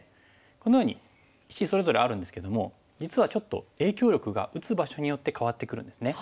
このように石それぞれあるんですけども実はちょっと影響力が打つ場所によって変わってくるんですね。